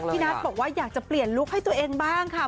นัทบอกว่าอยากจะเปลี่ยนลุคให้ตัวเองบ้างค่ะ